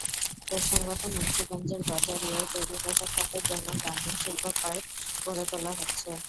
প্রসঙ্গত, মুন্সিগঞ্জের গজারিয়ায় তৈরি পোশাক খাতের জন্য গার্মেন্টস শিল্পপার্ক গড়ে তোলা হচ্ছে।